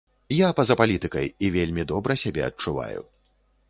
Я па-за палітыкай і вельмі добра сябе адчуваю.